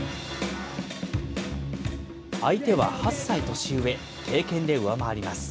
相手は８歳年上、経験で上回ります。